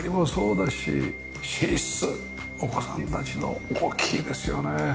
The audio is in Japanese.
寝室お子さんたちの大きいですよね。